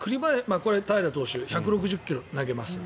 これは平良投手１６０ｋｍ投げます。